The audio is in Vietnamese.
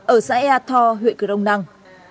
ở xã ea tho huyện công năng